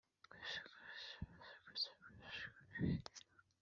Umusoro ku nyongeragaciro wishyurwa ku kwezi